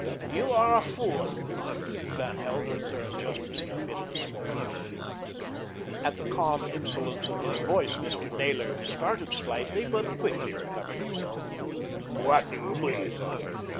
"You are a fool." Van Helder turned just as he emitted a smoke ring. At the calm insolence of his tone Mr. Naylor started slightly, but quickly recovered himself. "What do you mean?"